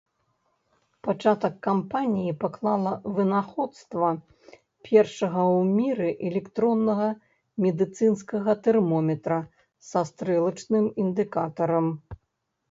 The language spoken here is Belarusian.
Пачатак кампаніі паклала вынаходства першага ў міры электроннага медыцынскага тэрмометра са стрэлачным індыкатарам.